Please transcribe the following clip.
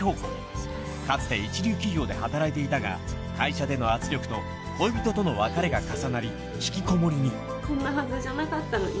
かつて一流企業で働いていたが会社での圧力と恋人との別れが重なりひきこもりにこんなはずじゃなかったのになって。